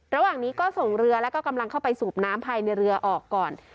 ระหว่างนี้ก็ส่งเรือและก็กำลังเข้าไปสูบน้ำภายในเรือออกก่อน